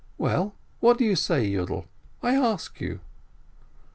Well, what do you say, Yiidel? I ask you."